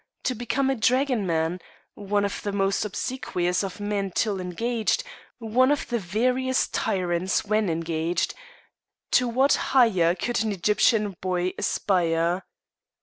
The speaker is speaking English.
To become a dragoman one of the most obsequious of men till engaged, one of the veriest tyrants when engaged to what higher could an Egyptian boy aspire?